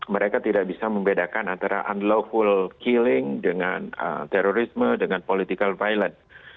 mereka tidak bisa membedakan antara unlawful killing dengan terorisme dengan political violence